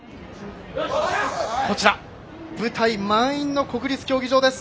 舞台、満員の国立競技場です。